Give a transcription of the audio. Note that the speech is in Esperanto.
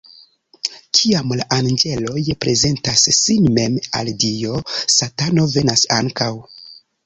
Kiam la anĝeloj prezentas sin mem al Dio, Satano venas ankaŭ.